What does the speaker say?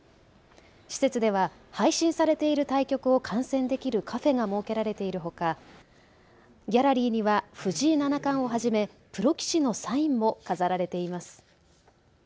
施設では配信されている対局を観戦できるカフェが設けられているほか、ギャラリーには藤井七冠をはじめプロ棋士のサインも飾られています。